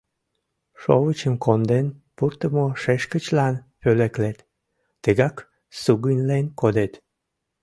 Шовычым конден пуртымо шешкычлан пӧлеклет, тыгак сугыньлен кодет.